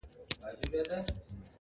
د دېوال شا ته پراته دي څو غيرانه٫